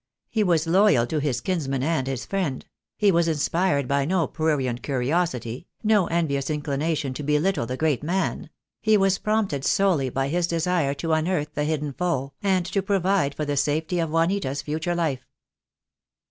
He was loyal to his kinsman and his friend; he was inspired by no prurient curiosity, no envious inclination to belittle the great man; he was prompted solely by his desire to un earth the hidden foe, and to provide for the safety of Juanita's future life.